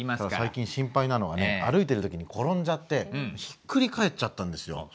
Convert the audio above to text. ただ最近心配なのはね歩いてる時に転んじゃってひっくり返っちゃったんですよ。